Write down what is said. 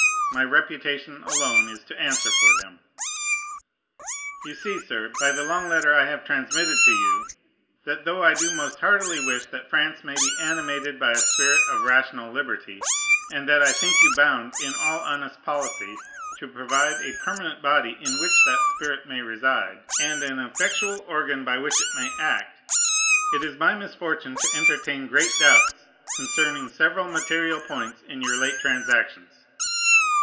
My reputation alone is to answer for them. You see, Sir, by the long letter I have transmitted to you, that, though I do most heartily wish that France may be animated by a spirit of rational liberty, and that I think you bound, in all honest policy, to provide a permanent body in which that spirit may reside, and an effectual organ by which it may act, it is my misfortune to entertain great doubts concerning several material points in your late transactions.